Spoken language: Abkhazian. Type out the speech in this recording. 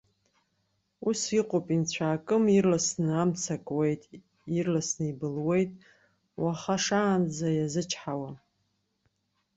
Ус иҟоу анцәаакым ирласны амца акуеит, ирласны ибылуеит, уаха шаанӡа иазычҳауам.